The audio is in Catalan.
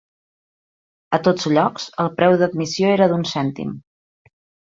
A tots llocs, el preu d'admissió era d'un cèntim.